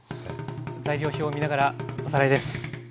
材料表を見ながらおさらいです。